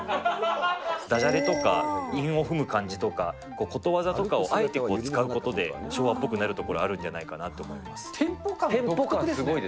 だじゃれとか韻を踏む感じとか、ことわざとかをあえて使うことで、昭和っぽくなるところあるテンポ感が独特ですね。